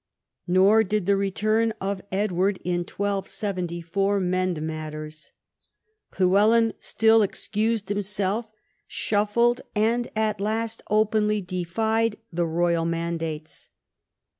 Nor did the return of Edward in 1274 mend matters. Llywelyn still excused himself, shuffled, and at last openly defied the royal mandates.